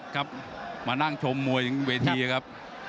ครับมานั่งชมมวยถึงเวทีครับ